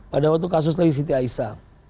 pada waktu kasus lewy city aisyah